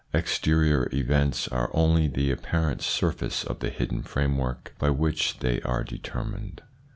Exterior events are only the apparent surface of the hidden framework by which they are deter mined.